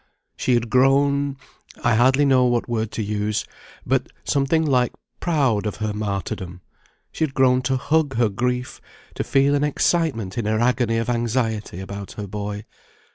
She had grown I hardly know what word to use but, something like proud of her martyrdom; she had grown to hug her grief; to feel an excitement in her agony of anxiety about her boy.